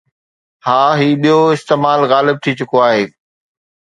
ها، هي ٻيو استعمال غالب ٿي چڪو آهي